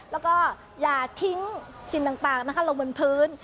แล้วก็อย่าทิ้งสิ่งต่างลงบนพื้น